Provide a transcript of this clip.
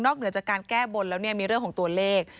เหนือจากการแก้บนแล้วเนี่ยมีเรื่องของตัวเลข